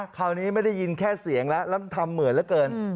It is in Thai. คราวนี้ไม่ได้ยินแค่เสียงแล้วแล้วมันทำเหมือนเหลือเกิน